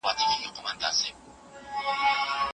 دلشاد